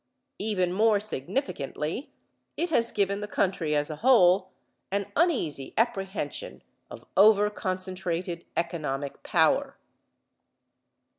Even more significantly it has given the country as a whole an uneasy apprehension of overconcentrated economic power.